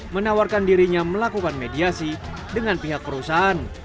menawarkan dirinya melakukan mediasi dengan pihak perusahaan